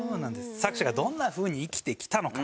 作者がどんな風に生きてきたのか？